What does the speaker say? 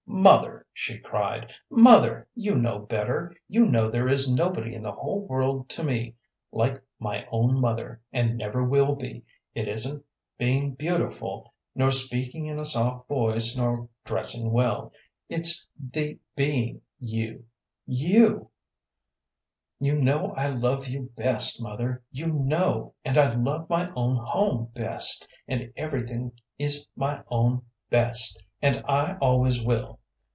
"Mother," she cried "mother, you know better, you know there is nobody in the whole world to me like my own mother, and never will be. It isn't being beautiful, nor speaking in a soft voice, nor dressing well, it's the being you you. You know I love you best, mother, you know, and I love my own home best, and everything that is my own best, and I always will."